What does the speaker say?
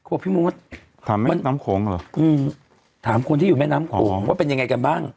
ว่าพี่มุทรอบหนึ่งตามคนที่อยู่แม่น้ำของว่าเป็นยังไงกับบ้าง